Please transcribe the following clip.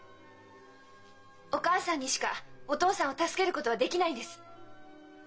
お母さんにしかお父さんを助けることはできないんです。